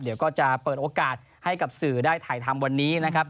เดี๋ยวก็จะเปิดโอกาสให้กับสื่อได้ถ่ายทำวันนี้นะครับ